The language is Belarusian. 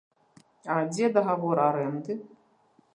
А дзе дагавор арэнды?